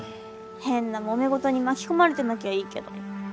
変なもめ事に巻き込まれてなきゃいいけど。